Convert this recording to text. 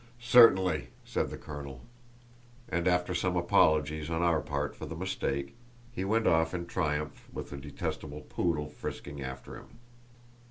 "Certainly," said the colonel; and, after some apologies on our part for the mistake, he went off in triumph, with the detestable poodle frisking after him.